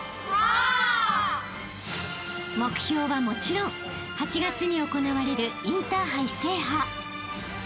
［目標はもちろん８月に行われるインターハイ制覇］